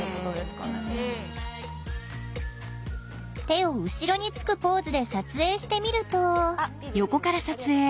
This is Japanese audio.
手を後ろにつくポーズで撮影してみると。